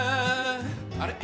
あれ？